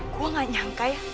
gue gak nyangka ya